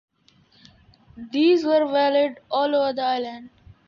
These were valid all over the island.